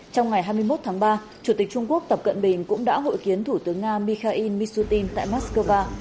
trong ngày hai mươi một tháng ba chủ tịch trung quốc tập cận bình cũng đã hội kiến thủ tướng nga mikhail mishutin tại moscow